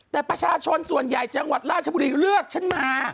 แต่ประชาชนส่วนใหญ่จังหวัดราชบุรีเลือกฉันมา